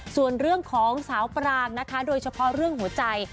ส่วนเรื่องของสาวปรางนะคะโดยเฉพาะเรื่องหัวใจ